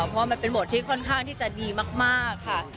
เพราะมันเป็นบทที่ค่อนข้างที่จะดีมากค่ะ